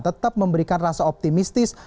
tetap memberikan rasa optimistis